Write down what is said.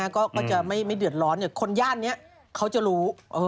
ก็จะไม่เดือดร้อนคนย่านนี้เขาจะรู้